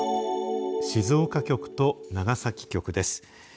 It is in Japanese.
静岡局と長崎局です。